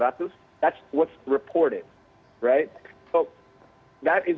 itu yang diberikan oleh polisi